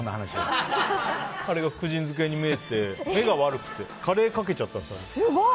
あれが福神漬けに見えて目が悪くてカレーかけちゃったんですよ。